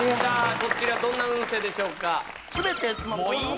こちらどんな運勢でしょうか